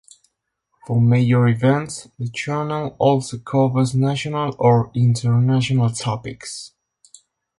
For major events, the channel also covers national or international topics.